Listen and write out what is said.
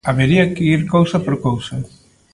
Habería que ir cousa por cousa.